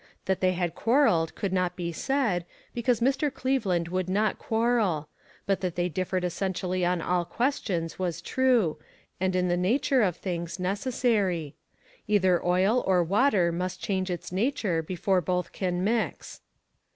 That they had quarreled, could not be said, because Mr. Cleveland would not quarrel ; but that they differed essentially on all questions, was "ONLY A QUESTION OF TIME. 455 true, and in the nature of things, necessary. Either oil or water must change its nature before both can mix.